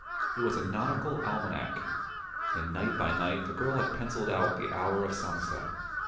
It was a nautical almanack, and night by night the girl had pencilled out the hour of sunset.